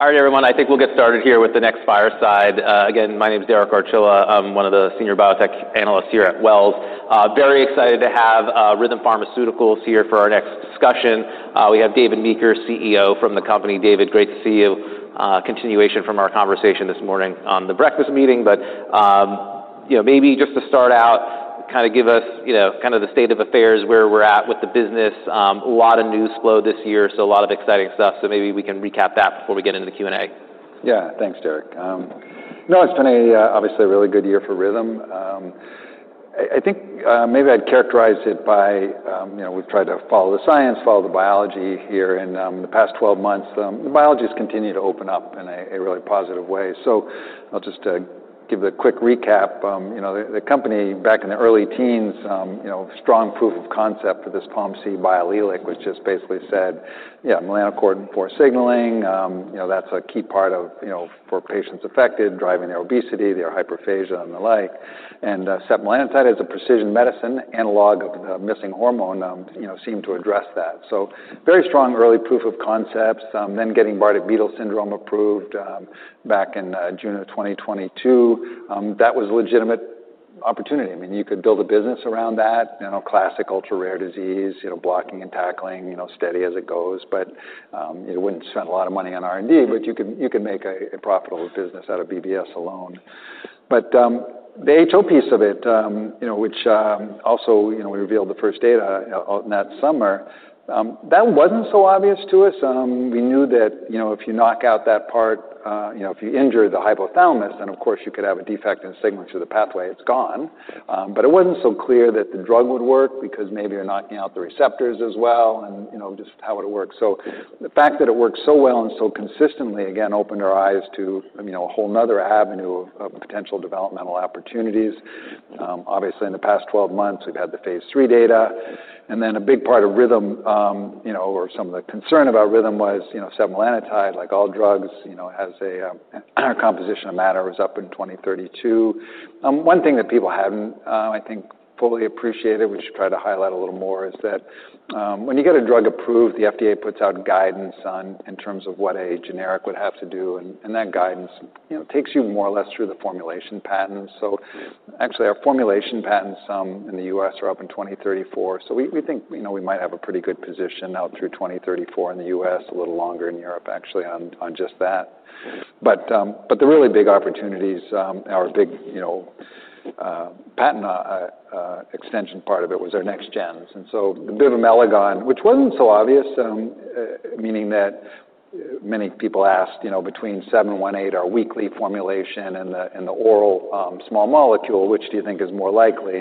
All right, everyone, I think we'll get started here with the next fireside. Again, my name is Derek Archuleta. I'm one of the Senior Biotech Analysts here at Wells. Very excited to have Rhythm Pharmaceuticals here for our next discussion. We have David Meeker, CEO from the company. David, great to see you. Continuation from our conversation this morning on the breakfast meeting. Maybe just to start out, kind of give us the state of affairs, where we're at with the business. A lot of news flow this year, a lot of exciting stuff. Maybe we can recap that before we get into the Q&A. Yeah, thanks, Derek. No, it's been obviously a really good year for Rhythm. I think maybe I'd characterize it by, you know, we've tried to follow the science, follow the biology here in the past 12 months. The biology has continued to open up in a really positive way. I'll just give the quick recap. The company back in the early teens, strong proof of concept for this POMC biallelic was just basically said, you know, melanocortin 4 signaling. That's a key part of, you know, for patients affected, driving their obesity, their hyperphagia, and the like. setmelanotide as a precision medicine, analog of the missing hormone, seemed to address that. Very strong early proof of concepts. Then getting Bardet-Biedl syndrome approved back in June of 2022, that was a legitimate opportunity. I mean, you could build a business around that, classic ultra-rare disease, blocking and tackling, steady as it goes. You wouldn't spend a lot of money on R&D, but you could make a profitable business out of BBS alone. The HO piece of it, which also, we revealed the first data in that summer, that wasn't so obvious to us. We knew that if you knock out that part, if you injure the hypothalamus, then of course you could have a defect in signaling to the pathway, it's gone. It wasn't so clear that the drug would work because maybe you're knocking out the receptors as well and just how it works. The fact that it worked so well and so consistently, again, opened our eyes to a whole other avenue of potential developmental opportunities. Obviously, in the past 12 months, we've had the Phase III data. A big part of Rhythm, or some of the concern about Rhythm was, you know, setmelanotide, like all drugs, has a, and our composition of matter is up in 2032. One thing that people haven't, I think, fully appreciated, we should try to highlight a little more, is that when you get a drug approved, the FDA puts out guidance in terms of what a generic would have to do. That guidance takes you more or less through the formulation patent. Actually, our formulation patents in the U.S. are up in 2034. We think we might have a pretty good position out through 2034 in the U.S., a little longer in Europe, actually, on just that. The really big opportunities, our big, you know, patent extension part of it was our next gens. The Bivamelagon, which wasn't so obvious, meaning that many people asked, you know, between 718, our weekly formulation, and the oral small molecule, which do you think is more likely?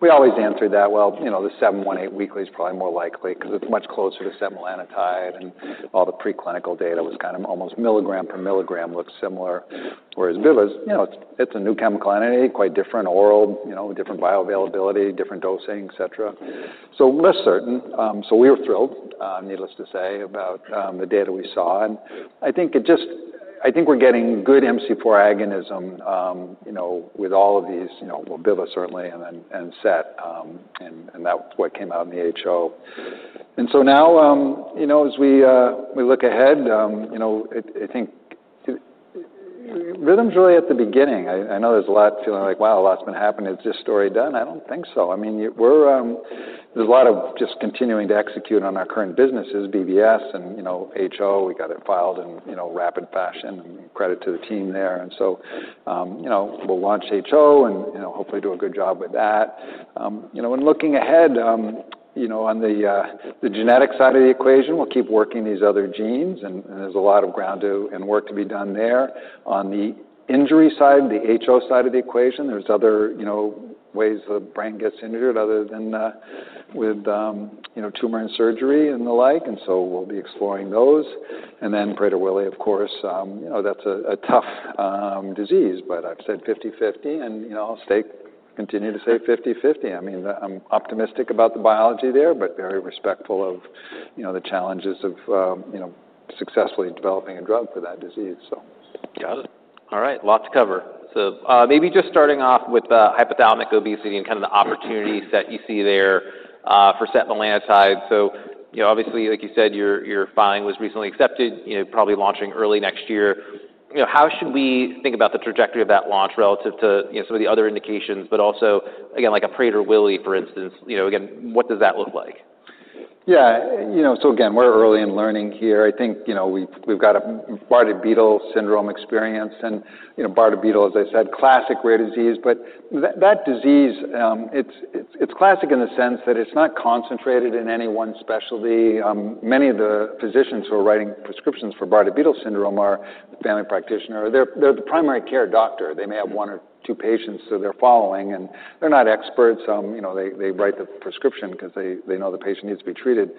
We always answered that, well, you know, the 718 weekly is probably more likely because it's much closer to setmelanotide. All the preclinical data was kind of almost milligram per milligram looks similar. Whereas biva is, you know, it's a new chemical entity, quite different, oral, you know, different bioavailability, different dosing, et C. Less certain. We were thrilled, needless to say, about the data we saw. I think it just, I think we're getting good MC4 agonism, you know, with all of these, you know, well, Biva certainly, and then set. That's what came out in the HO. Now, you know, as we look ahead, you know, I think Rhythm's really at the beginning. I know there's a lot of feeling like, "Wow, a lot's been happening. Is this story done?" I don't think so. I mean, we're, there's a lot of just continuing to execute on our current businesses, BBS and, you know, HO. We got it filed in, you know, rapid fashion and credit to the team there. You know, we'll launch HO and, you know, hopefully do a good job with that. When looking ahead, you know, on the genetic side of the equation, we'll keep working these other genes. There's a lot of ground to and work to be done there. On the injury side, the HO side of the equation, there's other, you know, ways the brain gets injured other than with, you know, tumor and surgery and the like. We'll be exploring those. Prader-Willi, of course, you know, that's a tough disease, but I've said 50-50. You know, I'll stay, continue to say 50-50. I mean, I'm optimistic about the biology there, but very respectful of, you know, the challenges of, you know, successfully developing a drug for that disease. Got it. All right, lots to cover. Maybe just starting off with the hypothalamic obesity and kind of the opportunities that you see there for setmelanotide. Obviously, like you said, your filing was recently accepted, probably launching early next year. How should we think about the trajectory of that launch relative to some of the other indications, but also, again, like a Prader-Willi, for instance, what does that look like? Yeah, you know, so again, we're early in learning here. I think, you know, we've got a Bardet-Biedl syndrome experience. Bardet-Biedl, as I said, classic rare disease. That disease, it's classic in the sense that it's not concentrated in any one specialty. Many of the physicians who are writing prescriptions for Bardet-Biedl syndrome are the family practitioner. They're the primary care doctor. They may have one or two patients that they're following. They're not experts. They write the prescription because they know the patient needs to be treated.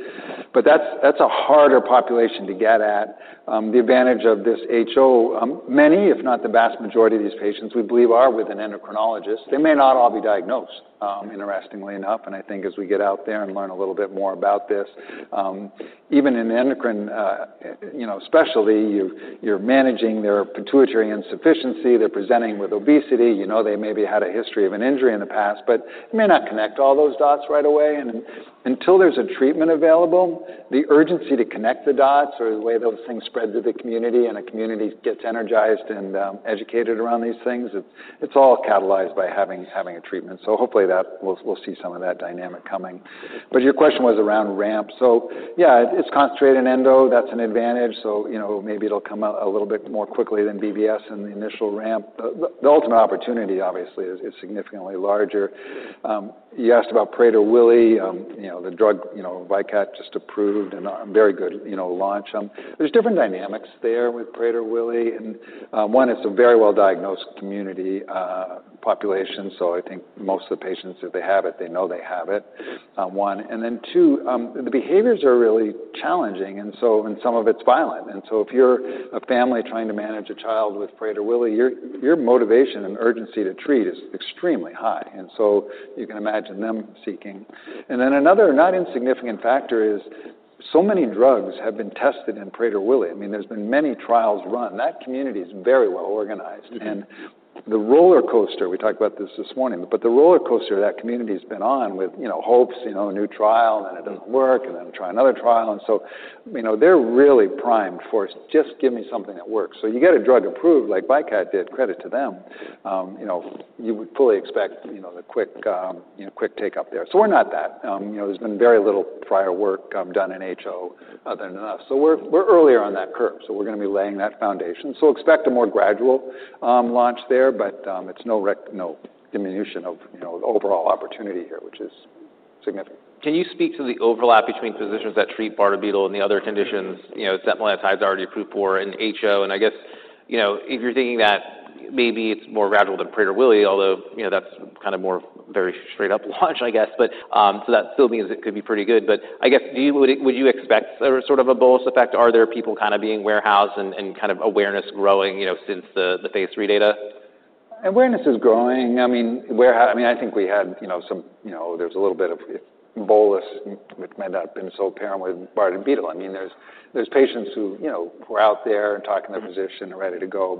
That's a harder population to get at. The advantage of this HO, many, if not the vast majority of these patients, we believe, are with an endocrinologist. They may not all be diagnosed, interestingly enough. I think as we get out there and learn a little bit more about this, even in an endocrine specialty, you're managing their pituitary insufficiency, they're presenting with obesity. They maybe had a history of an injury in the past, but you may not connect all those dots right away. Until there's a treatment available, the urgency to connect the dots or the way those things spread to the community and a community gets energized and educated around these things, it's all catalyzed by having a treatment. Hopefully we'll see some of that dynamic coming. Your question was around RAMP. It's concentrated in endo. That's an advantage. Maybe it'll come out a little bit more quickly than BBS in the initial RAMP. The ultimate opportunity, obviously, is significantly larger. You asked about Prader-Willi, the drug, DCCR just approved and a very good launch. There's different dynamics there with Prader-Willi. One, it's a very well-diagnosed community population. I think most of the patients, if they have it, they know they have it. One. Then two, the behaviors are really challenging. Some of it's violent. If you're a family trying to manage a child with Prader-Willi, your motivation and urgency to treat is extremely high. You can imagine them seeking. Another not insignificant factor is so many drugs have been tested in Prader-Willi. There's been many trials run. That community is very well organized. The roller coaster, we talked about this this morning, but the roller coaster that community has been on with, you know, hopes, you know, a new trial, and then it doesn't work, and then try another trial. They're really primed for just give me something that works. You get a drug approved like VYKAT did, credit to them. You would fully expect, you know, the quick, you know, quick take-up there. We're not that. There's been very little prior work done in HO other than us. We're earlier on that curve. We're going to be laying that foundation. Expect a more gradual launch there, but it's no diminution of, you know, the overall opportunity here, which is significant. Can you speak to the overlap between physicians that treat Bardet-Biedl and the other conditions, you know, setmelanotide is already approved for in HO? I guess, if you're thinking that maybe it's more gradual than Prader-Willi, although that's kind of more of a very straight-up launch, I guess. That still means it could be pretty good. I guess, do you, would you expect sort of a bolus effect? Are there people kind of being warehoused and kind of awareness growing, you know, since the Phase III data? Awareness is growing. I mean, I think we had some, you know, there's a little bit of bolus. It may not have been so apparent with Bardet-Biedl. I mean, there's patients who are out there and talking to a physician and ready to go.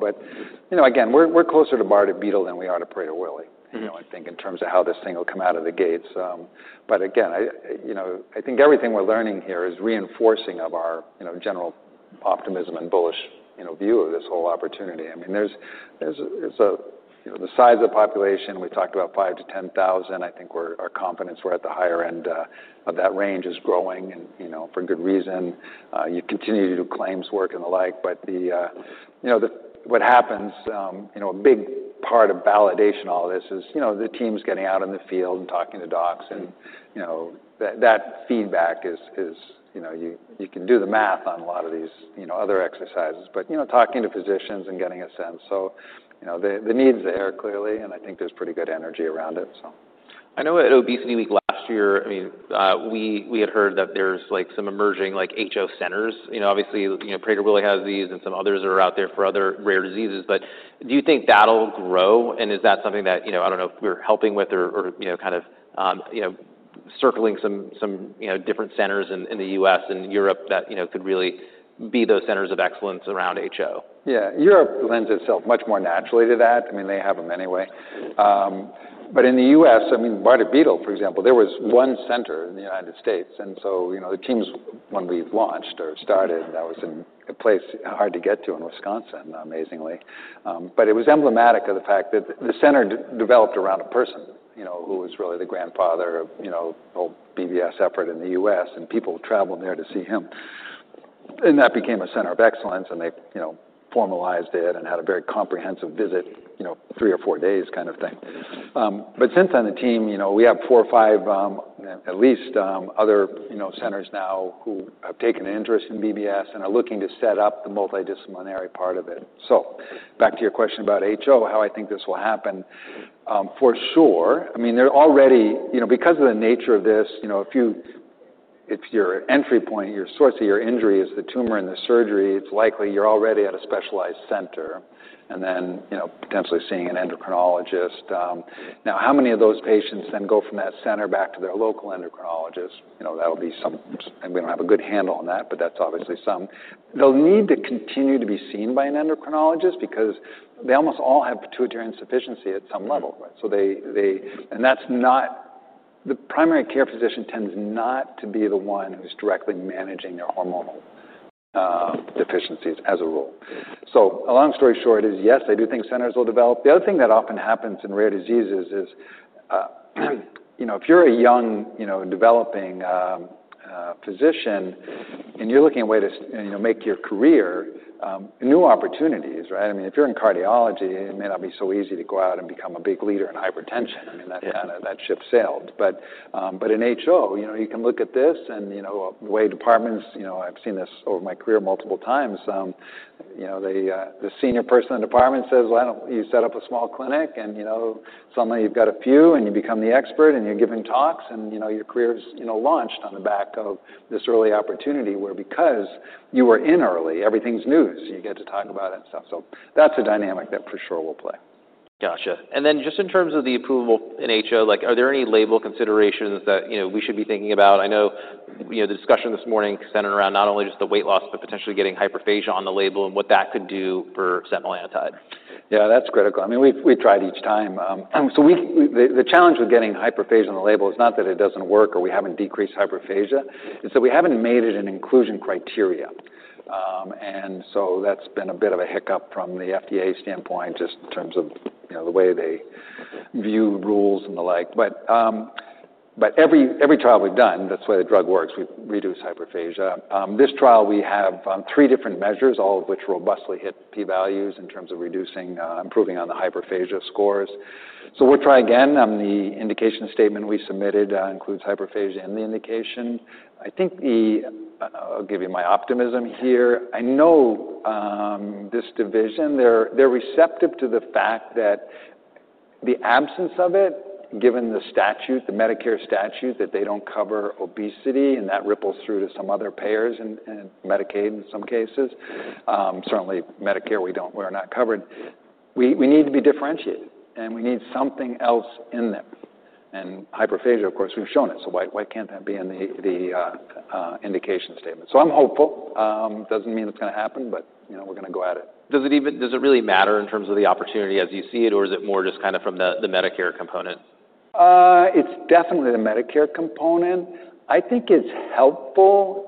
We're closer to Bardet-Biedl than we are to Prader-Willi, I think in terms of how this thing will come out of the gates. I think everything we're learning here is reinforcing of our general optimism and bullish view of this whole opportunity. I mean, the size of the population, we talked about five to ten thousand. I think our confidence we're at the higher end of that range is growing and for good reason. You continue to do claims work and the like. A big part of validation of all this is the team's getting out in the field and talking to docs. That feedback is, you can do the math on a lot of these other exercises. Talking to physicians and getting a sense, the needs there are clearly, and I think there's pretty good energy around it. I know at Obesity Week last year, we had heard that there's some emerging HO centers. Obviously, Prader-Willi has these and some others that are out there for other rare diseases. Do you think that'll grow? Is that something that, I don't know if you're helping with or kind of circling some different centers in the U.S. and Europe that could really be those centers of excellence around HO? Yeah, Europe lends itself much more naturally to that. I mean, they have them anyway. In the U.S., Bardet-Biedl, for example, there was one center in the United States. The teams, when we launched or started, that was in a place hard to get to in Wisconsin, amazingly. It was emblematic of the fact that the center developed around a person who was really the grandfather of the whole BBS effort in the U.S. People traveled there to see him, and that became a center of excellence. They formalized it and had a very comprehensive visit, three or four days kind of thing. Since then, the team, we have four or five, at least, other centers now who have taken an interest in BBS and are looking to set up the multidisciplinary part of it. Back to your question about HO, how I think this will happen. For sure, they're already, because of the nature of this, if your entry point, your source of your injury is the tumor and the surgery, it's likely you're already at a specialized center and then potentially seeing an endocrinologist. Now, how many of those patients then go from that center back to their local endocrinologist? That'll be some, and we don't have a good handle on that, but that's obviously some. They'll need to continue to be seen by an endocrinologist because they almost all have pituitary insufficiency at some level. That's not, the primary care physician tends not to be the one who's directly managing their hormonal deficiencies as a rule. A long story short is, yes, I do think centers will develop. The other thing that often happens in rare diseases is, if you're a young, developing physician and you're looking at a way to make your career, new opportunities, right? I mean, if you're in cardiology, it may not be so easy to go out and become a big leader in hypertension. That ship sailed. In HO, you can look at this and, the way departments, I've seen this over my career multiple times, the senior person in the department says, well, you set up a small clinic and suddenly you've got a few and you become the expert and you're giving talks and your career is launched on the back of this early opportunity where, because you were in early, everything's news. You get to talk about it and stuff. That's a dynamic that for sure will play. Gotcha. In terms of the approval in HO, are there any label considerations that we should be thinking about? I know the discussion this morning centered around not only just the weight loss, but potentially getting hyperphagia on the label and what that could do for setmelanotide. Yeah, that's critical. I mean, we've tried each time. The challenge with getting hyperphagia on the label is not that it doesn't work or we haven't decreased hyperphagia. It's that we haven't made it an inclusion criteria, and that's been a bit of a hiccup from the FDA standpoint just in terms of the way they view rules and the like. Every trial we've done, that's the way the drug works, we reduce hyperphagia. This trial, we have three different measures, all of which robustly hit P-values in terms of reducing, improving on the hyperphagia scores. We'll try again. The indication statement we submitted includes hyperphagia in the indication. I'll give you my optimism here. I know this division, they're receptive to the fact that the absence of it, given the statute, the Medicare statute, that they don't cover obesity, and that ripples through to some other payers and Medicaid in some cases. Certainly, Medicare, we're not covered. We need to be differentiated. We need something else in there, and hyperphagia, of course, we've shown it. Why can't that be in the indication statement? I'm hopeful. Doesn't mean it's going to happen, but we're going to go at it. Does it really matter in terms of the opportunity as you see it, or is it more just kind of from the Medicare component? It's definitely the Medicare component. I think it's helpful.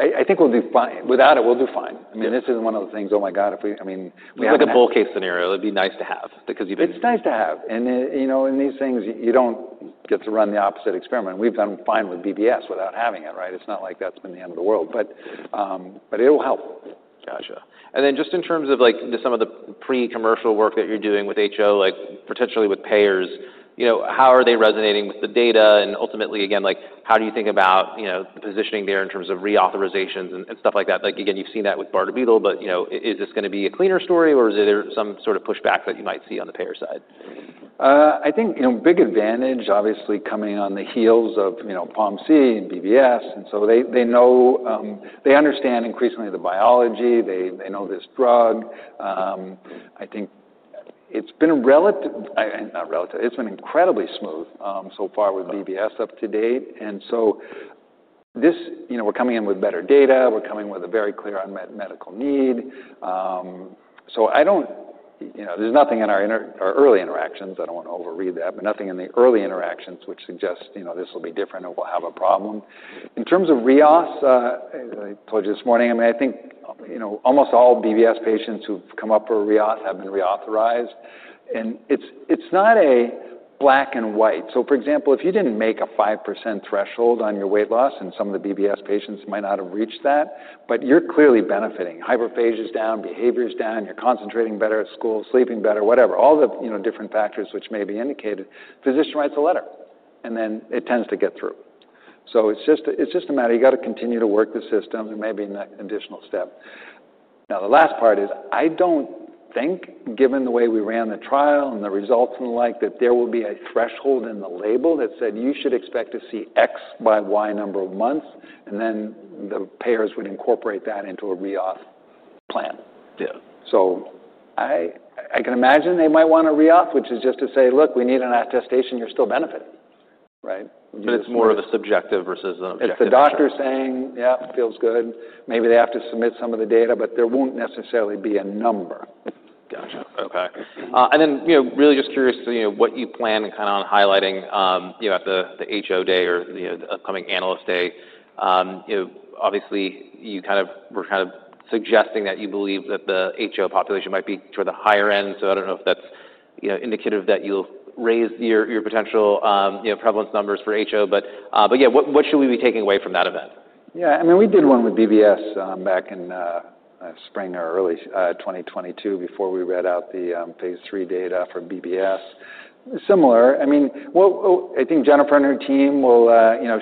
I think we'll do fine without it. We'll do fine. I mean, this is one of those things, oh my God, if we, I mean. We have a good bull case scenario. It'd be nice to have because you didn't. It's nice to have. You know, in these things, you don't get to run the opposite experiment. We've done fine with BBS without having it, right? It's not like that's been the end of the world. It'll help. Gotcha. In terms of some of the pre-commercial work that you're doing with HO, like potentially with payers, how are they resonating with the data? Ultimately, how do you think about the positioning there in terms of reauthorizations and stuff like that? You've seen that with Bardet-Biedl, but is this going to be a cleaner story or is there some sort of pushback that you might see on the payer side? I think, you know, big advantage, obviously coming on the heels of, you know, POMC and BBS. They know, they understand increasingly the biology. They know this drug. I think it's been, not relative, it's been incredibly smooth so far with BBS up to date. We're coming in with better data. We're coming with a very clear unmet medical need. There's nothing in our early interactions. I don't want to overread that, but nothing in the early interactions which suggests this will be different or we'll have a problem. In terms of reauth, I told you this morning, I think almost all BBS patients who've come up for reauth have been reauthorized. It's not a black and white. For example, if you didn't make a 5% threshold on your weight loss and some of the BBS patients might not have reached that, but you're clearly benefiting. Hyperphagia's down, behavior's down, you're concentrating better at school, sleeping better, whatever, all the different factors which may be indicated, the physician writes a letter. It tends to get through. It's just a matter, you got to continue to work the system and maybe an additional step. Now the last part is, I don't think, given the way we ran the trial and the results and the like, that there will be a threshold in the label that said you should expect to see X by Y number of months, and then the payers would incorporate that into a reauth plan. I can imagine they might want to reauth, which is just to say, look, we need an attestation, you're still benefiting. It is more of a subjective versus an objective. If the doctor's saying, yeah, it feels good, maybe they have to submit some of the data, but there won't necessarily be a number. Gotcha. Okay. Really just curious what you plan on highlighting at the HO day or the upcoming analyst day. Obviously, you were suggesting that you believe that the HO population might be toward the higher end. I don't know if that's indicative that you'll raise your potential prevalence numbers for HO. What should we be taking away from that event? Yeah, I mean, we did one with BBS back in spring or early 2022 before we read out the Phase III data for BBS. It's similar. I think Jennifer and her team will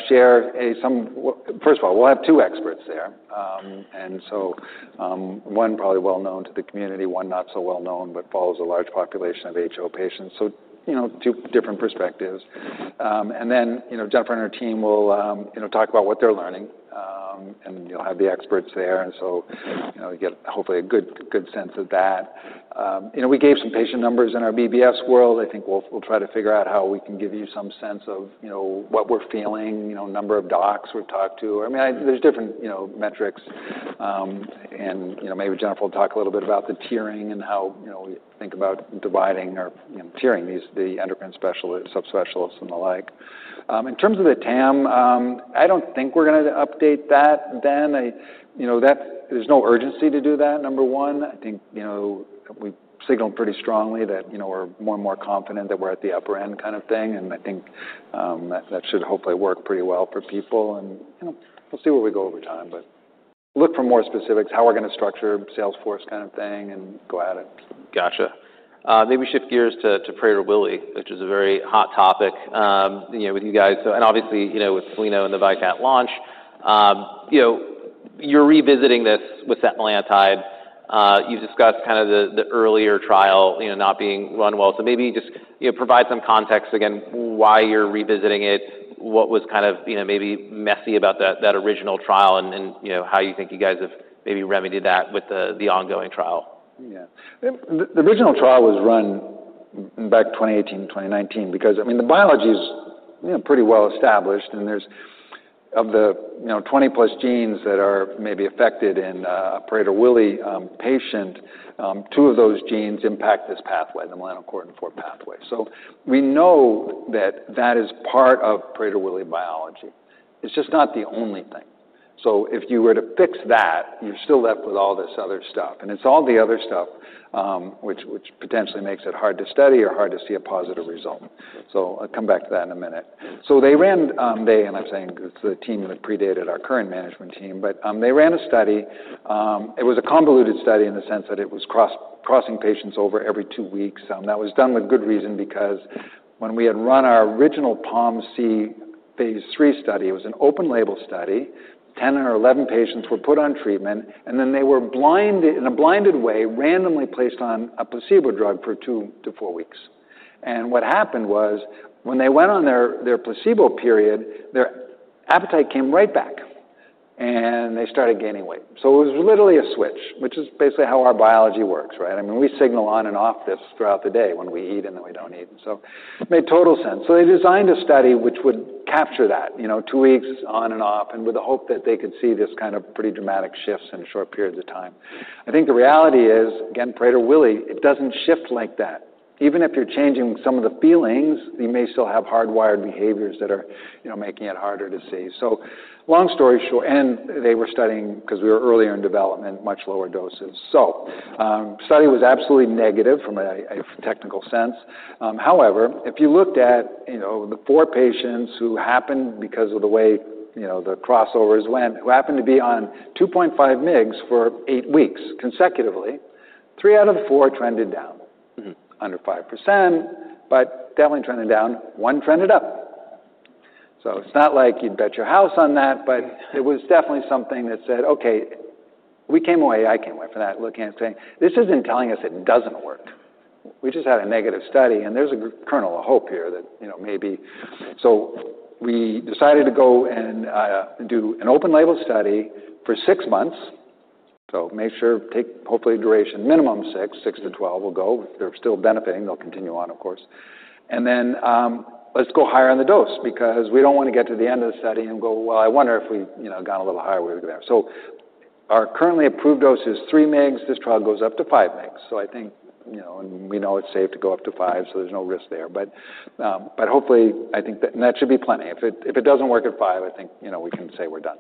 share some. First of all, we'll have two experts there. One probably well known to the community, one not so well known, but follows a large population of HO patients. Two different perspectives. Jennifer and her team will talk about what they're learning, and you'll have the experts there, so you get hopefully a good sense of that. We gave some patient numbers in our BBS world. I think we'll try to figure out how we can give you some sense of what we're feeling, a number of docs we've talked to. There are different metrics. Maybe Jennifer will talk a little bit about the tiering and how we think about dividing or tiering these, the endocrine subspecialists and the like. In terms of the TAM, I don't think we're going to update that then. There's no urgency to do that, number one. I think we've signaled pretty strongly that we're more and more confident that we're at the upper end kind of thing. I think that should hopefully work pretty well for people. We'll see where we go over time. Look for more specifics, how we're going to structure Salesforce kind of thing and go at it. Gotcha. Maybe shift gears to Prader-Willi, which is a very hot topic, you know, with you guys. Obviously, you know, with Soleno and the DCCR launch, you know, you're revisiting this with setmelanotide. You've discussed kind of the earlier trial, you know, not being run well. Maybe just, you know, provide some context again, why you're revisiting it, what was kind of, you know, maybe messy about that original trial and, you know, how you think you guys have maybe remedied that with the ongoing trial. Yeah, the original trial was run back in 2018, 2019, because, I mean, the biology is, you know, pretty well established. Of the, you know, 20 + genes that are maybe affected in a Prader-Willi patient, two of those genes impact this pathway, the melanocortin 4 pathway. We know that that is part of Prader-Willi biology. It's just not the only thing. If you were to fix that, you're still left with all this other stuff. It's all the other stuff, which potentially makes it hard to study or hard to see a positive result. I'll come back to that in a minute. They ran, they end up saying it's the team that predated our current management team, but they ran a study. It was a convoluted study in the sense that it was crossing patients over every two weeks. That was done with good reason because when we had run our original POMC Phase III study, it was an open-label study. Ten or 11 patients were put on treatment, and then they were blinded, in a blinded way, randomly placed on a placebo drug for two to four weeks. What happened was when they went on their placebo period, their appetite came right back. They started gaining weight. It was literally a switch, which is basically how our biology works, right? I mean, we signal on and off this throughout the day when we eat and then we don't eat. It made total sense. They designed a study which would capture that, you know, two weeks on and off with the hope that they could see this kind of pretty dramatic shifts in short periods of time. I think the reality is, again, Prader-Willi, it doesn't shift like that. Even if you're changing some of the feelings, you may still have hardwired behaviors that are, you know, making it harder to see. Long story short, they were studying, because we were earlier in development, much lower doses. The study was absolutely negative from a technical sense. However, if you looked at, you know, the four patients who happened, because of the way, you know, the crossovers went, who happened to be on 2.5 mg for eight weeks consecutively, three out of the four trended down under 5%, but definitely trended down, one trended up. It's not like you'd bet your house on that, but it was definitely something that said, okay, we came away, I came away from that looking at saying, this isn't telling us it doesn't work. We just had a negative study, and there's a kernel of hope here that, you know, maybe. We decided to go and do an open-label study for six months. Make sure to take hopefully duration minimum six, six- 12 will go. If they're still benefiting, they'll continue on, of course. Let's go higher on the dose because we don't want to get to the end of the study and go, I wonder if we, you know, got a little higher way there. Our currently approved dose is 3 mg. This trial goes up to 5 mg. I think, you know, and we know it's safe to go up to 5 mg, so there's no risk there. Hopefully, I think that, and that should be plenty. If it doesn't work at 5 mg, I think, you know, we can say we're done.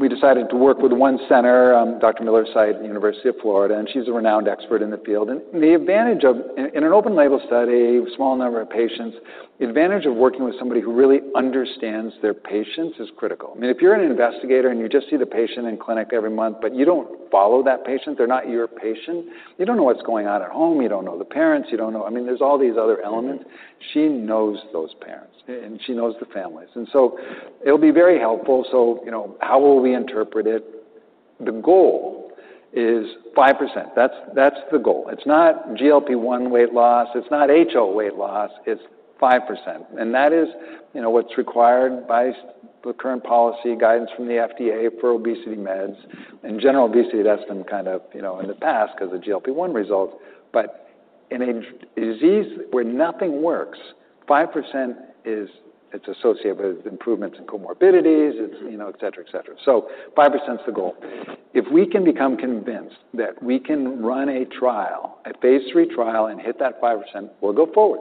We decided to work with one center, Dr. Miller's site at the University of Florida, and she's a renowned expert in the field. The advantage of, in an open-label study, a small number of patients, the advantage of working with somebody who really understands their patients is critical. I mean, if you're an investigator and you just see the patient in clinic every month, but you don't follow that patient, they're not your patient, you don't know what's going on at home, you don't know the parents, you don't know, I mean, there's all these other elements. She knows those parents, and she knows the families. It will be very helpful. You know, how will we interpret it? The goal is 5%. That's the goal. It's not GLP-1 weight loss. It's not HO weight loss. It's 5%. That is what's required by the current policy guidance from the FDA for obesity meds. In general obesity, that's been kind of, you know, in the past because of GLP-1 results. In a disease where nothing works, 5% is, it's associated with improvements in comorbidities, it's, you know, et cetera, et cetera. 5% is the goal. If we can become convinced that we can run a trial, a Phase III trial, and hit that 5%, we'll go forward.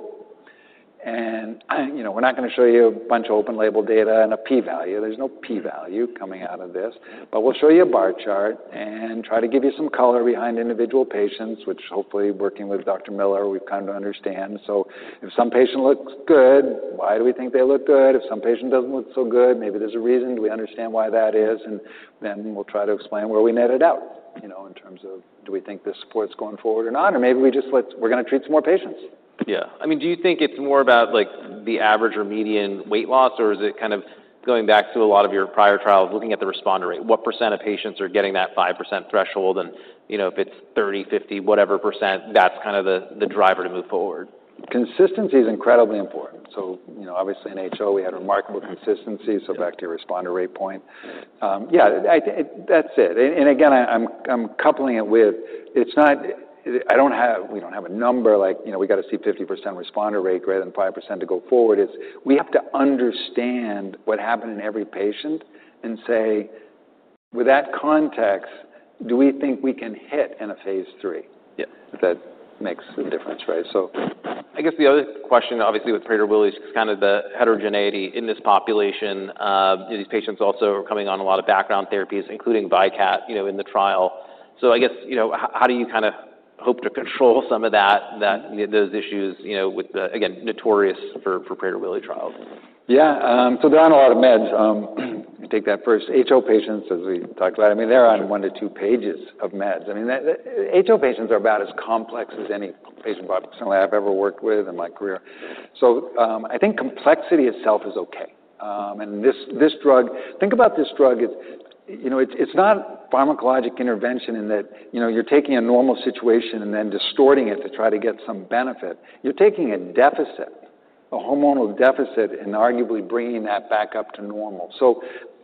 We're not going to show you a bunch of open-label data and a P-value. There's no P-value coming out of this. We'll show you a bar chart and try to give you some color behind individual patients, which hopefully working with Dr. Miller, we've come to understand. If some patient looks good, why do we think they look good? If some patient doesn't look so good, maybe there's a reason. Do we understand why that is? We'll try to explain where we netted out, in terms of do we think this supports going forward or not? Maybe we just let we're going to treat some more patients. Yeah, I mean, do you think it's more about like the average or median weight loss? Or is it kind of going back to a lot of your prior trials, looking at the responder rate? What percent of patients are getting that 5% threshold? You know, if it's 30%, 50%, whatever percent, that's kind of the driver to move forward. Consistency is incredibly important. Obviously in HO, we had a remarkable consistency. Back to your responder rate point, that's it. Again, I'm coupling it with, it's not, I don't have, we don't have a number like, you know, we got to see 50% responder rate greater than 5% to go forward. We have to understand what happened in every patient and say, with that context, do we think we can hit in a Phase III? Yeah. If that makes a difference, right? I guess the other question, obviously with Prader-Willi, is kind of the heterogeneity in this population. These patients also are coming on a lot of background therapies, including VYKAT, you know, in the trial. I guess, you know, how do you kind of hope to control some of that, that those issues, you know, with the, again, notorious for Prader-Willi trial? Yeah, so they're on a lot of meds. You take that first HO patients, as we talked about. I mean, they're on one to two pages of meds. HO patients are about as complex as any patient I've ever worked with in my career. I think complexity itself is okay. This drug, think about this drug, it's not pharmacologic intervention in that, you know, you're taking a normal situation and then distorting it to try to get some benefit. You're taking a deficit, a hormonal deficit, and arguably bringing that back up to normal.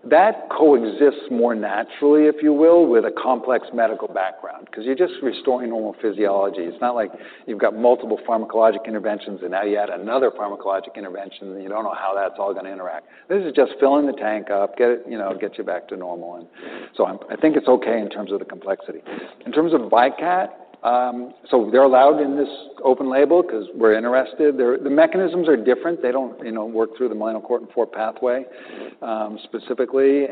That coexists more naturally, if you will, with a complex medical background because you're just restoring normal physiology. It's not like you've got multiple pharmacologic interventions and now you add another pharmacologic intervention and you don't know how that's all going to interact. This is just filling the tank up, get it, you know, get you back to normal. I think it's okay in terms of the complexity. In terms of VYKAT, they're allowed in this open-label because we're interested. The mechanisms are different. They don't, you know, work through the melanocortin 4 pathway specifically.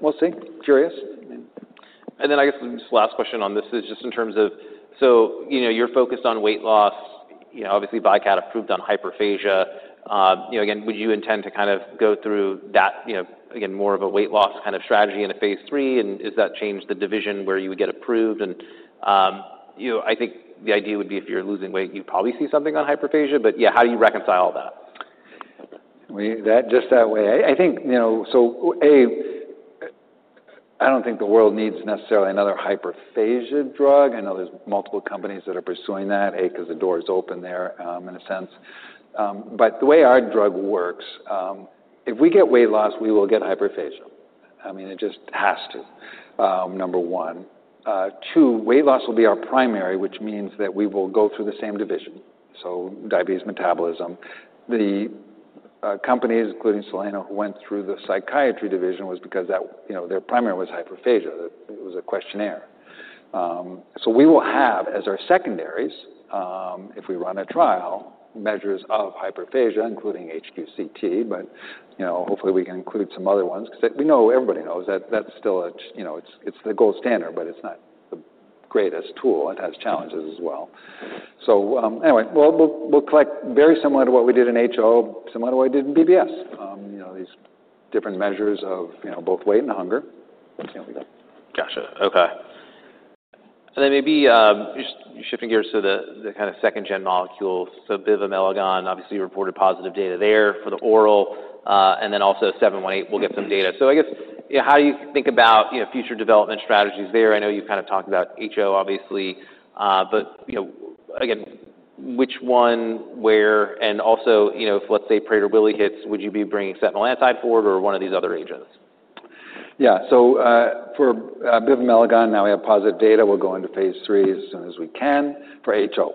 We'll see. Curious. I guess the last question on this is just in terms of, you know, you're focused on weight loss. Obviously, VYKAT approved on hyperphagia. Again, would you intend to kind of go through that, you know, again, more of a weight loss kind of strategy in a Phase III? Does that change the division where you would get approved? I think the idea would be if you're losing weight, you'd probably see something on hyperphagia. How do you reconcile all that? Just that way. I think, you know, so A, I don't think the world needs necessarily another hyperphagia drug. I know there's multiple companies that are pursuing that, A, because the door is open there in a sense. The way our drug works, if we get weight loss, we will get hyperphagia. I mean, it just has to, number one. Two, weight loss will be our primary, which means that we will go through the same division. So diabetes metabolism. The companies, including Soleno, who went through the psychiatry division, was because that, you know, their primary was hyperphagia. It was a questionnaire. We will have, as our secondaries, if we run a trial, measures of hyperphagia, including HQ-CT. Hopefully we can include some other ones because we know, everybody knows that that's still a, you know, it's the gold standard, but it's not the greatest tool. It has challenges as well. Anyway, we'll collect very similar to what we did in HO, similar to what we did in BBS. You know, these different measures of, you know, both weight and hunger. Gotcha. Okay. Maybe you're shifting gears to the kind of second-gen molecule. So Bivamelagon, obviously you reported positive data there for the oral. Also, 718, we'll get some data. I guess, yeah, how do you think about, you know, future development strategies there? I know you kind of talked about HO, obviously. Again, which one, where, and also, you know, if let's say Prader-Willi hits, would you be bringing setmelanotide forward or one of these other agents? Yeah, so for Bivamelagon, now we have positive data. We'll go into Phase III as soon as we can for HO.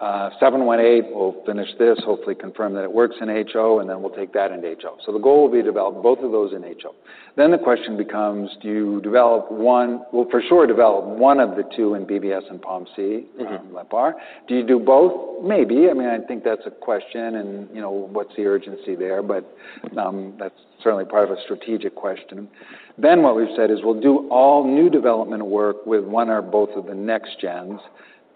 718, we'll finish this, hopefully confirm that it works in HO, and then we'll take that into HO. The goal will be to develop both of those in HO. The question becomes, do you develop one, for sure develop one of the two in BBS and POMC, including LEPR. Do you do both? Maybe. I think that's a question, and you know, what's the urgency there? That's certainly part of a strategic question. What we've said is we'll do all new development work with one or both of the next gens.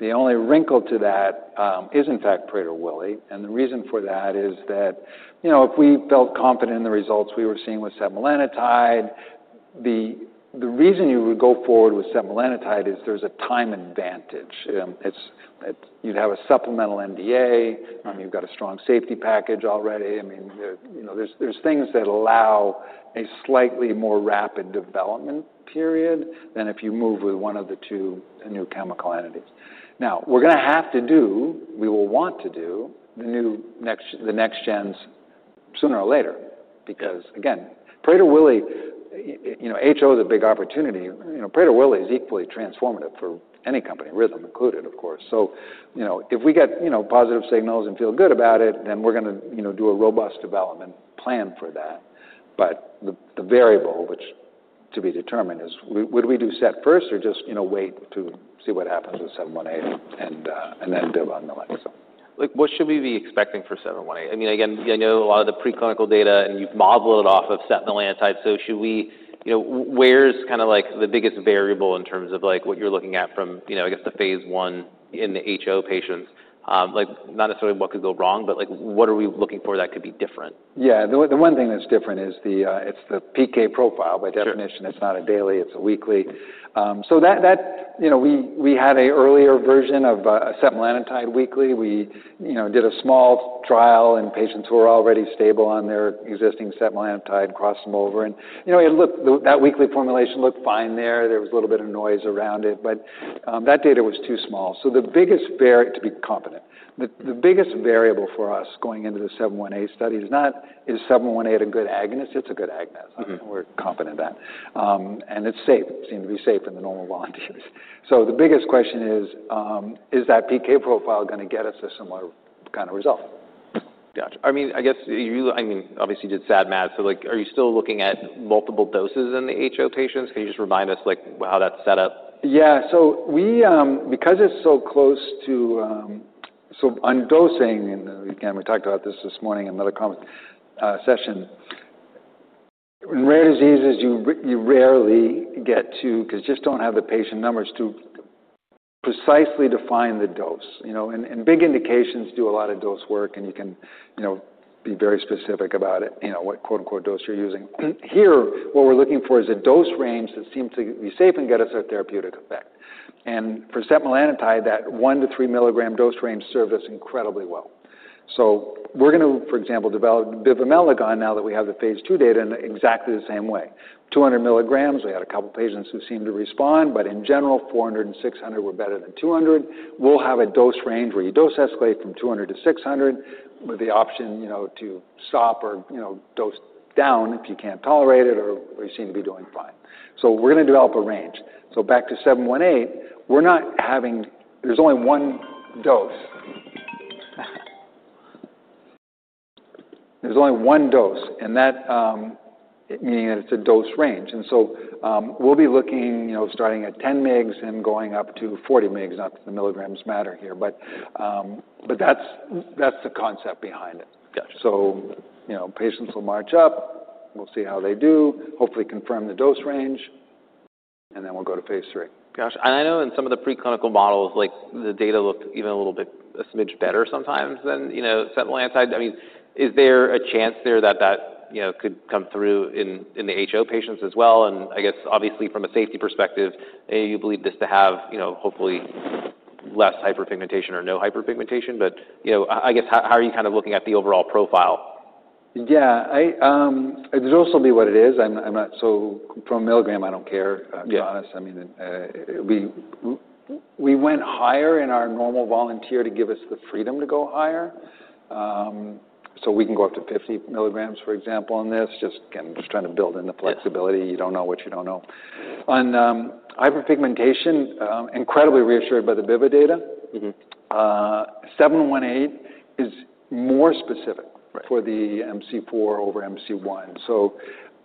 The only wrinkle to that is, in fact, Prader-Willi. The reason for that is that, you know, if we felt confident in the results we were seeing with setmelanotide, the reason you would go forward with setmelanotide is there's a time advantage. You'd have a supplemental NDA. You've got a strong safety package already. I mean, you know, there's things that allow a slightly more rapid development period than if you move with one of the two new chemical entities. We're going to have to do, we will want to do the new next gens sooner or later. Because, again, Prader-Willi, you know, HO is a big opportunity. Prader-Willi is equally transformative for any company, Rhythm included, of course. If we get, you know, positive signals and feel good about it, then we're going to do a robust development plan for that. The variable, which to be determined, is would we do set first or just, you know, wait to see what happens with 718 and then Bivamelagon? What should we be expecting for 718? I know a lot of the preclinical data and you've modeled it off of setmelanotide. Where's the biggest variable in terms of what you're looking at from the Phase I in the HO patients? Not necessarily what could go wrong, but what are we looking for that could be different? Yeah, the one thing that's different is the PK profile. By definition, it's not a daily, it's a weekly. We had an earlier version of setmelanotide weekly. We did a small trial in patients who were already stable on their existing setmelanotide, crossed them over. That weekly formulation looked fine there. There was a little bit of noise around it, but that data was too small. The biggest variable for us going into the 718 study is not, is 718 a good agonist? It's a good agonist. We're confident in that. It's safe. It seemed to be safe in the normal volunteers. The biggest question is, is that PK profile going to get us a similar kind of result? Gotcha. I mean, I guess you usually, I mean, obviously you did SAD, MAD. Are you still looking at multiple doses in the HO patients? Can you just remind us how that's set up? Yeah, because it's so close to undosing, and again, we talked about this this morning in another session, in rare diseases, you rarely get to, because you just don't have the patient numbers to precisely define the dose. You know, in big indications, you do a lot of dose work, and you can be very specific about it, you know, what quote unquote dose you're using. Here, what we're looking for is a dose range that seems to be safe and get us our therapeutic effect. For setmelanotide, that 1 mg- 3 mg dose range served us incredibly well. We're going to, for example, develop Bivamelagon now that we have the Phase II data in exactly the same way. 200 mg, we had a couple of patients who seemed to respond, but in general, 400 mg and 600 mg were better than 200 mg. We'll have a dose range where you dose escalate from 200 mg to 600 mg with the option to stop or dose down if you can't tolerate it or you seem to be doing fine. We're going to develop a range. Back to 718, we're not having, there's only one dose. There's only one dose, and that meaning that it's a dose range. We'll be looking, starting at 10 mg and going up to 40 mg, not that milligrams matter here. That's the concept behind it. Patients will march up. We'll see how they do, hopefully confirm the dose range, and then we'll go to Phase III. Gotcha. I know in some of the preclinical models, like the data looked even a little bit, a smidge better sometimes than, you know, setmelanotide. I mean, is there a chance there that that, you know, could come through in the HO patients as well? I guess obviously from a safety perspective, you believe this to have, you know, hopefully less hyperpigmentation or no hyperpigmentation. I guess how are you kind of looking at the overall profile? Yeah, it'll still be what it is. I'm not so, from a milligram, I don't care, to be honest. I mean, we went higher in our normal volunteer to give us the freedom to go higher. We can go up to 50 milligrams, for example, on this, just again, just trying to build in the flexibility. You don't know what you don't know. On hyperpigmentation, incredibly reassured by the Biva data. 718 is more specific for the MC4 over MC1.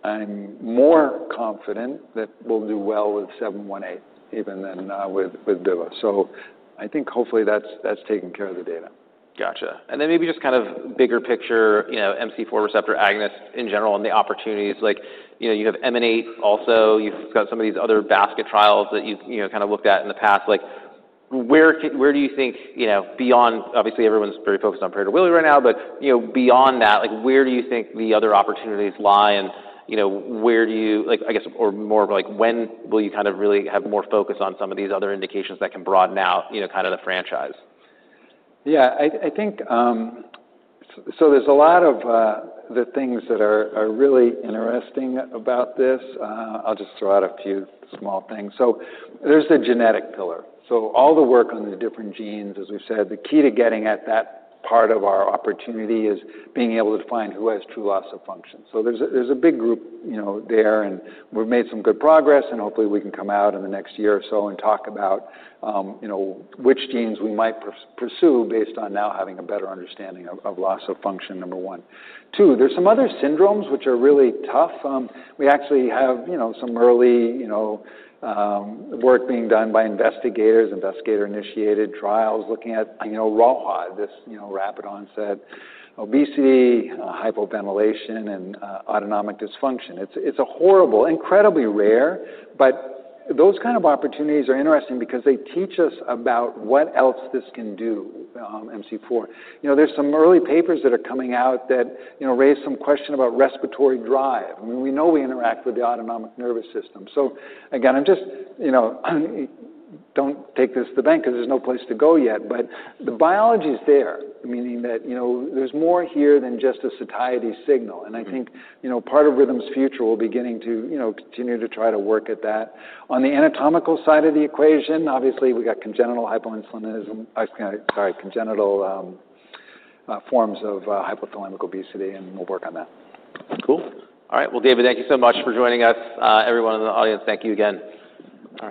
I'm more confident that we'll do well with RM-718, even than with BIVA. I think hopefully that's taken care of the data. Gotcha. Maybe just kind of bigger picture, you know, MC4 receptor agonists in general and the opportunities. Like, you know, you have MNH also, you've got some of these other basket trials that you've kind of looked at in the past. Like, where do you think, you know, beyond, obviously everyone's very focused on Prader-Willi right now, but, you know, beyond that, like, where do you think the other opportunities lie and, you know, where do you, like, I guess, or more of like, when will you kind of really have more focus on some of these other indications that can broaden out, you know, kind of the franchise? Yeah, I think there's a lot of things that are really interesting about this. I'll just throw out a few small things. There's a genetic pillar. All the work on the different genes, as we've said, the key to getting at that part of our opportunity is being able to find who has true loss of function. There's a big group there, and we've made some good progress, and hopefully we can come out in the next year or so and talk about which genes we might pursue based on now having a better understanding of loss of function, number one. Two, there are some other syndromes which are really tough. We actually have some early work being done by investigators, investigator-initiated trials looking at ROHHAD, this rapid-onset obesity, hypoventilation, and autonomic dysfunction. It's horrible, incredibly rare, but those kinds of opportunities are interesting because they teach us about what else this can do, MC4. There are some early papers that are coming out that raise some question about respiratory drive. I mean, we know we interact with the autonomic nervous system. Again, don't take this to the bank because there's no place to go yet, but the biology is there, meaning that there's more here than just a satiety signal. I think part of Rhythm's future will be getting to continue to try to work at that. On the anatomical side of the equation, obviously we have congenital forms of hypothalamic obesity, and we'll work on that. All right. David, thank you so much for joining us. Everyone in the audience, thank you again.